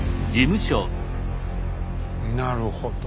なるほど。